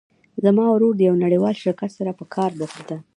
زما ورور د یو نړیوال شرکت سره په کار بوخت ده